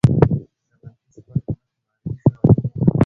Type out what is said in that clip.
د منفي صفت له مخې معرفې شوې